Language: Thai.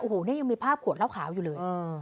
โอ้โหนี่ยังมีภาพขวดเหล้าขาวอยู่เลย